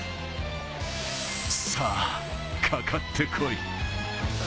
さぁ、かかって来い。